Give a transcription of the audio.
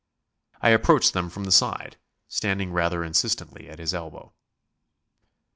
I approached them from the side, standing rather insistently at his elbow.